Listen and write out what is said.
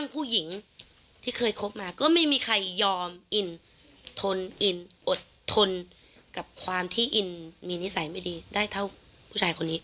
พี่อินมีนิสัยไม่ดีได้เท่าผู้ชายคนนี้